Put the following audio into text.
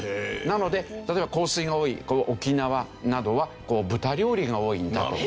なので例えば硬水が多い沖縄などは豚料理が多いんだと。